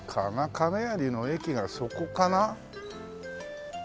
亀有の駅がそこかな。